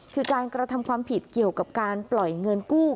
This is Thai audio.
คือการกระทำความผิดเกี่ยวกับการปล่อยเงินกู้